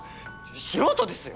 素人ですよ